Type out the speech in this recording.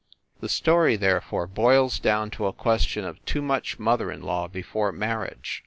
The story, therefore, boils down to a question of too much mother in law before marriage.